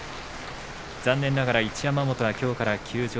残念ながら一山本、きょうから休場。